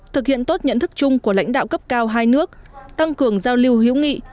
thực hiện tốt nhận thức chung của lãnh đạo cấp cao hai nước tăng cường giao lưu hữu nghị